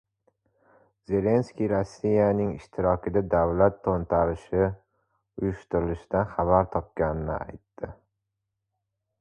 Zelenskiy Rossiyaning ishtirokida davlat to‘ntarishi uyushtirilishidan xabar topganini aytdi